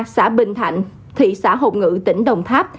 xã bình thạnh